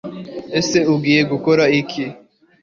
Ese Ugiye gukora iki